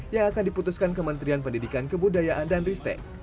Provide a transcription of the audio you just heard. yang akan diputuskan kementerian pendidikan kebudayaan dan ristek